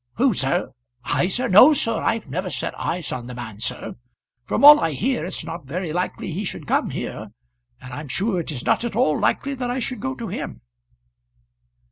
"Who, sir? I, sir? No, sir, I've never set eyes on the man, sir. From all I hear it's not very likely he should come here; and I'm sure it is not at all likely that I should go to him."